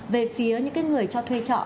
về phía những cái người cho thuê trọ